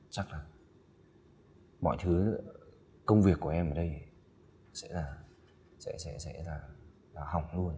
chắc là mọi thứ công việc của em ở đây sẽ là hỏng luôn